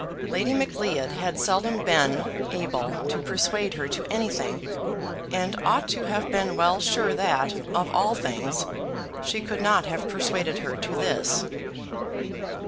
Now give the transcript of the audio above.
Lady Macleod had seldom been able to persuade her to anything, and ought to have been well sure that, of all things, she could not have persuaded her to this.